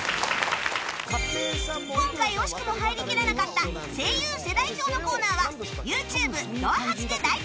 今回惜しくも入りきらなかった声優世代表のコーナーは ＹｏｕＴｕｂｅ「動はじ」で大公開